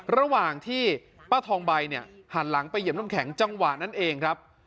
ระหว่างที่ป้าทองใบเนี่ยหันหลังไปเหยียบน้ำแข็งจังหวะนั้นเองครับ